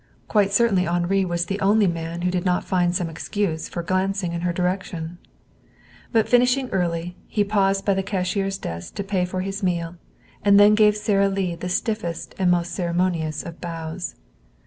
Quite certainly Henri was the only man who did not find some excuse for glancing in her direction. But finishing early, he paused by the cashier's desk to pay for his meal, and then he gave Sara Lee the stiffest and most ceremonious of bows.